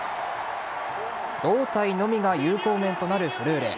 胴体のみが有効面となるフルーレ。